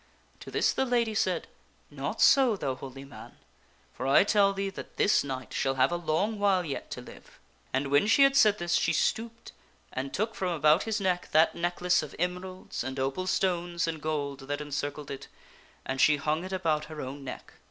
To this the lady said, " Not so, thou holy man, for I tell thee that this knight shall have a long while yet to live." And when she had said this she stooped and took from about his neck that necklace of emeralds and opal stones and gold that encircled it and she hung it about her own neck.